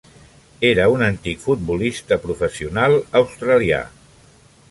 Era un antic futbolista professional australià.